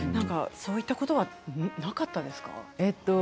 そういったことはなかったですか？